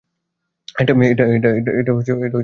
এটা কোমল, আর ঠান্ডা।